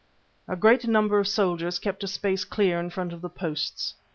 A great number of soldiers kept a space clear in front of the posts.